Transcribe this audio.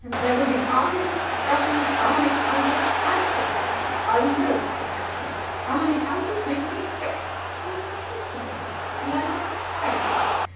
There would be arguments, discussions, family councils! I hate arguments! I loathe discussions! Family councils make me sick! I'm a peaceable man, and I like a quiet life!